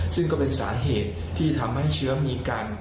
ซึ่งก็เป็นสาเหตุที่ทำให้เชื้อมีการ